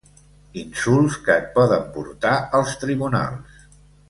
Insults que et poden portar als Tribunals.